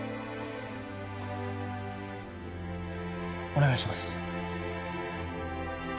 お願いします。